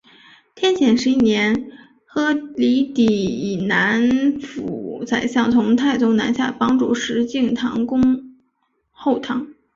天显十一年鹘离底以南府宰相从太宗南下帮助石敬瑭攻后唐。